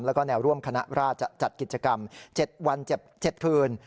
แล้วก็แนวร่วมคณะราชจะจัดกิจกรรม๗วัน๗คืน